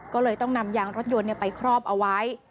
ก็เลยต้องนำยางรถยนต์ไปครอบเอาไว้